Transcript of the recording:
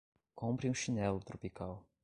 Compre um chinelo tropical